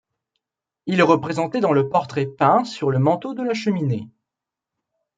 Il est représenté dans le portrait peint sur le manteau de la cheminée.